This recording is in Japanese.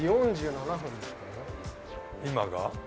今が？